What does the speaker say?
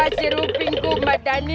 pasir uping kumat dhani